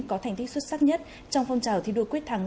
có thành tích xuất sắc nhất trong phong trào thi đua quyết thắng